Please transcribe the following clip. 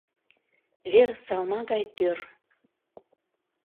Вер салма гай тӧр.